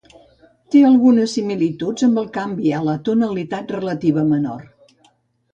Té algunes similituds amb el canvi a la tonalitat relativa menor.